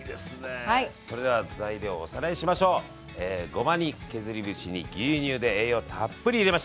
ごまに削り節に牛乳で栄養たっぷり入れました！